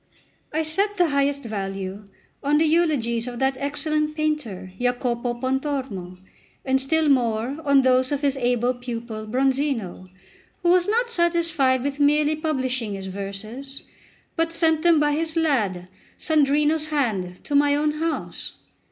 I set the highest value on the eulogies of that excellent painter Jacopo Pontormo, and still more on those of his able pupil Bronzino, who was not satisfied with merely publishing his verses, but sent them by his lad Sandrino's hand to my own house.